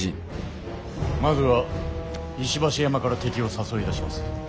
まずは石橋山から敵を誘い出します。